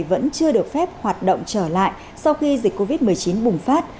vẫn chưa được phép hoạt động trở lại sau khi dịch covid một mươi chín bùng phát